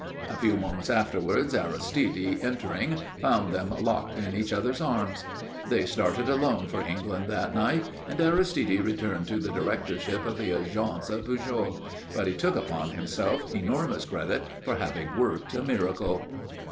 A few moments afterwards Aristide, entering, found them locked in each other's arms. They started alone for England that night, and Aristide returned to the directorship of the Agence Pujol. But he took upon himself enormous credit for having worked a miracle.